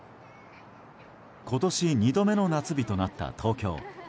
今年２度目の夏日となった東京。